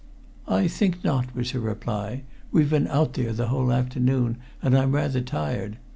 "I think not," was her reply. "We've been out there the whole afternoon, and I'm rather tired.